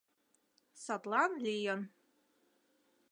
Садлан лийын.